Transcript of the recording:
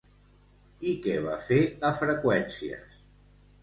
I què va fer a Freqüències?